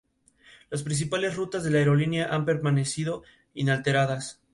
Del evento forman parte agrupaciones o fraternidades folclóricas provenientes de varias regiones de Bolivia.